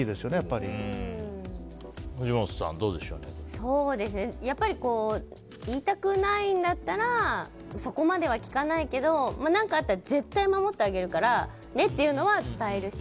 藤本さん、どうでしょうかやっぱり言いたくないんだったらそこまでは聞かないけど何かあったら絶対守ってあげるからねというのは伝えるし。